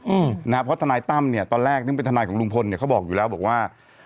เพราะว่าทนายตั้มตอนแรกนึงเป็นทนายของลุงพลเขาบอกอยู่แล้วว่า